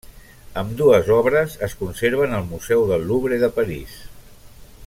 Ambdues obres es conserven al Museu del Louvre de París.